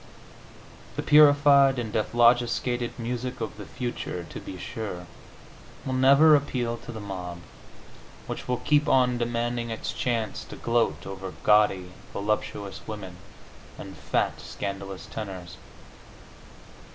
The purified and dephlogisticated music of the future, to be sure, will never appeal to the mob, which will keep on demanding its chance to gloat over gaudy, voluptuous women, and fat, scandalous tenors.